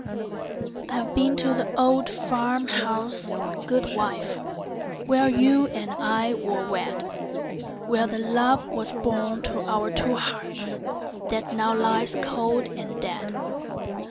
I've been to the old farm house, good wife, Where you and I were wed; Where the love was born to our two hearts That now lies cold and dead.